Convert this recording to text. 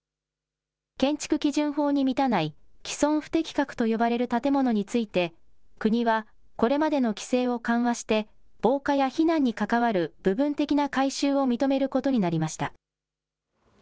建築基準法に満たない既存不適格と呼ばれる建物について、国はこれまでの規制を緩和して、防火や避難に関わる部分的な改修を認めることになりました。